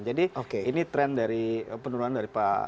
jadi ini tren dari penurunan dari pak